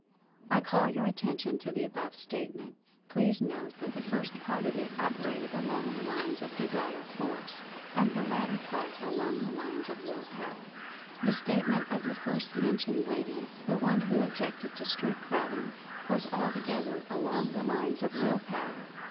I call your attention to the above Statement — please note that the first part of it operated along the lines of Desire Force, and the latter part along the lines of Will Power. The Statement of the first mentioned lady (the one who objected to street crowding) was altogether along the lines of Will Power.